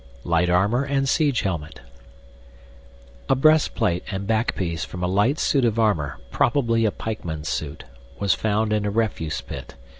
LIGHT ARMOR AND SIEGE HELMET A breastplate and backpiece from a light suit of armor (probably a pikeman's suit) were found in a refuse pit.